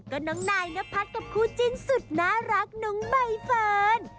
ก็น้องนายนพัฒน์กับคู่จิ้นสุดน่ารักน้องใบเฟิร์น